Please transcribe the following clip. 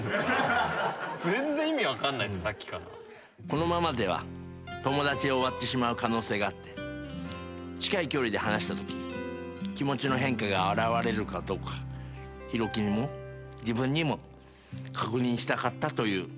このままでは友達で終わってしまう可能性があって近い距離で話したとき気持ちの変化が表れるかどうか寛貴にも自分にも確認したかったという思いがあります。